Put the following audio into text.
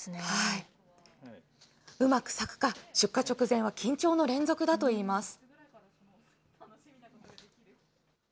うまく咲くか、出荷直前は緊張の連続だといいます。